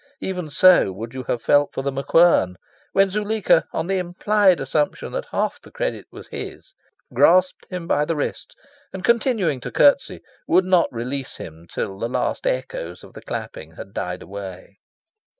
Even so would you have felt for The MacQuern when Zuleika, on the implied assumption that half the credit was his, grasped him by the wrist, and, continuing to curtsey, would not release him till the last echoes of the clapping had died away.